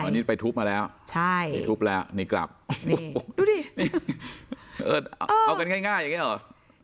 อันนี้ไปทุบมาแล้วใช่ไปทุบแล้วนี่กลับดูดินี่เอากันง่ายอย่างนี้หรอ